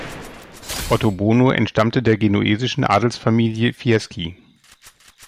Ottobono entstammte der genuesischen Adelsfamilie Fieschi.